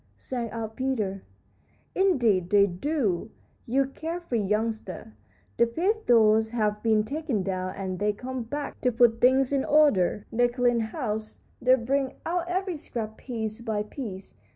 sang out Peter. "Indeed they do, you care free youngster. The pith doors have been taken down, and they come back to put things in order. They clean house; they bring out every scrap piece by piece.